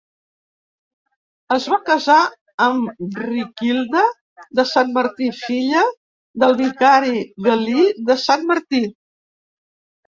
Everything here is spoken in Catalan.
Es va casar amb Riquilda de Sant Martí, filla del vicari Galí de Sant Martí.